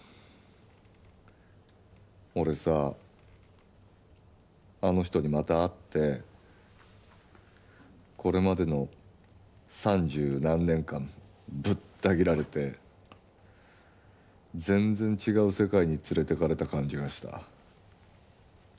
俺さあの人にまた会ってこれまでの三十何年間ぶった切られて全然違う世界に連れていかれた感じがした。